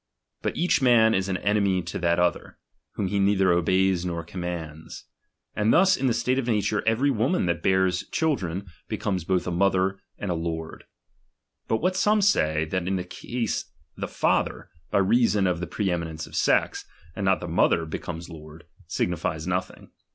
But each man is an enemy to that other, whom he neither obeys nor commands. And thus in the state of nature, every woman that bears chil dren, becomes both a mother and a lord. But what some say, that in this case \ht father, by reason of the pre eminence of sex, and not the mother be comes lord, signifies nothing.